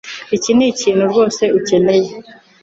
Iki nikintu rwose ukeneye.